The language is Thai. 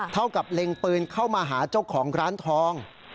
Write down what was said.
เท่ากับเล็งปืนเข้ามาหาเจ้าของร้านทอง